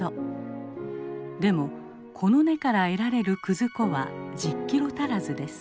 でもこの根から得られる葛粉は１０キロ足らずです。